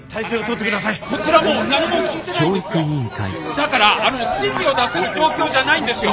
だからあの指示を出せる状況じゃないんですよ。